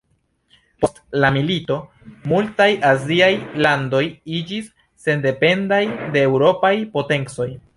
Post la milito, multaj Aziaj landoj iĝis sendependaj de Eŭropaj potencoj.